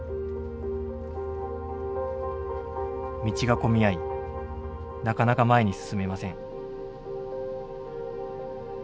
道が混み合いなかなか前に進めません。